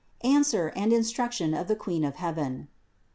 ANSWER AND INSTRUCTION OF THE QUEEN OF HEAVEN.